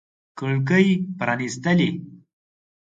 کړکۍ پرانیستلي